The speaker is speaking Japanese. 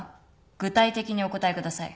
具体的にお答えください。